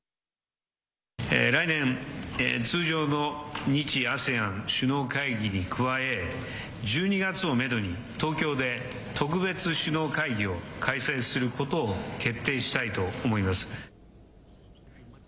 来年、通常の日ＡＳＥＡＮ首脳会議に加え、１２月をメドに、東京で特別首脳会議を開催することを決定したいと思います。